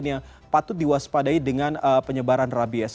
yang patut diwaspadai dengan penyebaran rabies